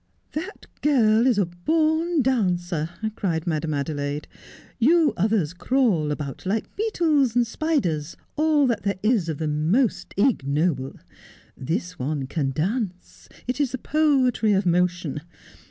' That girl is a born dancer,' cried Madame Adelaide. ' You others crawl about like beetles, spiders, all that there is of the most ignoble. This one can dance — it is the poetry of motion.